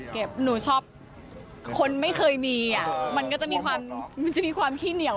เก็บหนูชอบคนไม่เคยมีอ่ะมันก็จะมีความคี่เหนียวนิดเดียว